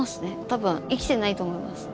多分生きてないと思います。